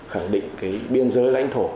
khẳng định cái biên giới lãnh thổ